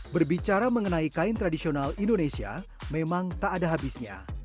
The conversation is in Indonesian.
berbicara mengenai kain tradisional indonesia memang tak ada habisnya